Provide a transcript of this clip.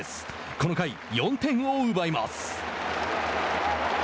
この回、４点を奪います。